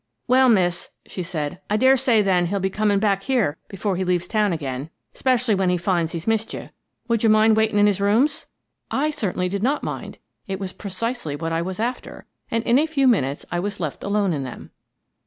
" Well, miss," she said, " I dare say, then, he'll be coming back here before he leaves town again, I Am Very Nearly Killed 91 especially when he finds he's missed you. Would you mind waitin' in his rooms?" I certainly did not mind, — it was precisely what I was after, — and in a very few minutes I was left alone in them.